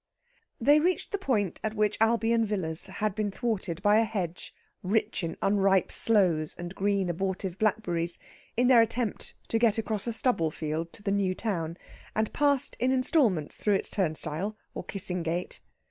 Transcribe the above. They reached the point at which Albion Villas had been thwarted by a hedge, rich in unripe sloes and green abortive blackberries, in their attempt to get across a stubble field to the new town, and passed in instalments through its turnstile, or kissing gate.